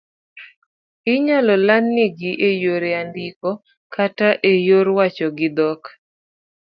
Inyalo landnigi eyor andiko kata eyor wacho gi dhok